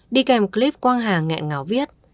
đi kèm clip quang hà nghẹn ngào viết